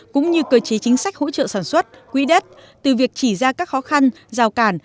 cũng như cơ chế chính sách hỗ trợ sản xuất quỹ đất từ việc chỉ ra các khó khăn rào cản